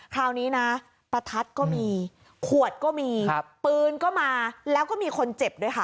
คราวนี้นะประทัดก็มีขวดก็มีปืนก็มาแล้วก็มีคนเจ็บด้วยค่ะ